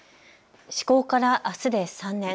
施行からあすで３年。